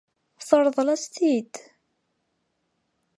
Teṛḍel-as-t-id?